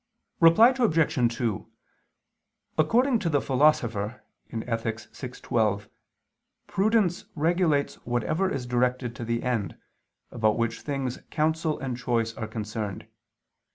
Reply Obj. 2: According to the Philosopher (Ethic. vi, 12), prudence regulates whatever is directed to the end, about which things counsel and choice are concerned.